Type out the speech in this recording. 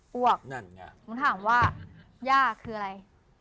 ผมถามว่าย่าคืออะไร